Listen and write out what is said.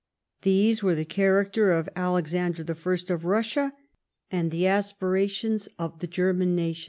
Those were the character of Alexander I. of Eussia, and the aspirations of the German nation.